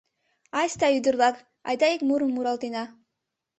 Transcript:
— Айста, ӱдыр-влак, адак ик мурым муралтена.